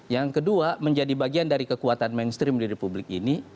yang kedua menjadi bagian dari kekuatan mainstream di republik ini